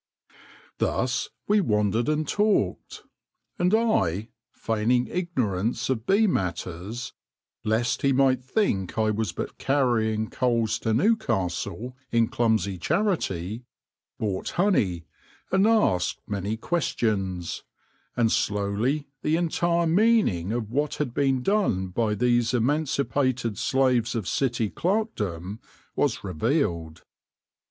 Thus we wandered and talked ; and I — feigning SEE KEEPING AND THE SIMPLE LIFE 189 ignorance of bee matters, lest he might think I was but carrying coals to Newcastle in clumsy charity — bought *oney, and asked many questions ; and slowly the entire meaning of what had been done by these emancipated slaves of City clerkdom was re vealed.